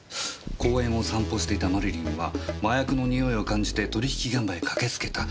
公園を散歩していたマリリンは麻薬の匂いを感じて取引現場へ駆けつけた。